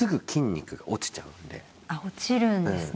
あっ落ちるんですね。